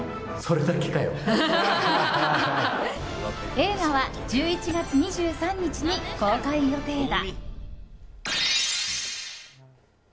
映画は１１月２３日に公開予定だ。